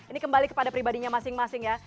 ini kembali kepada pribadinya masing masing ya